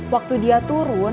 waktu dia turun